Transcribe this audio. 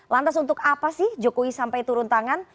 lantas untuk apa sih jokowi sampai turun tangan